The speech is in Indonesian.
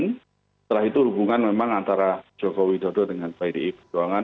setelah itu hubungan memang antara jokowi dodo dengan bdip